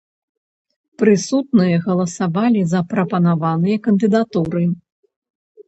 Прысутныя галасавалі за прапанаваныя кандыдатуры.